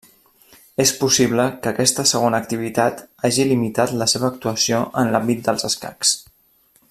És possible que aquesta segona activitat hagi limitat la seva actuació en l'àmbit dels escacs.